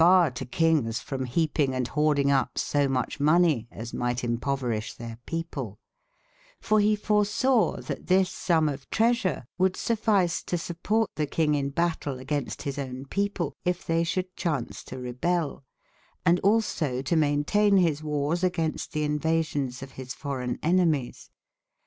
befir8t to hinges from heaping & hording up so booNeof muche money as might impoveryshe Cltopia their people* for he forsawe that this som of treasure woulde suffice to sup porte the kynge in battaile against his owne people, if they shoulde chaunce to rebell; and also to maintein his warres againste the invasions of his forreyn enemies.